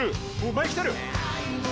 前来てる！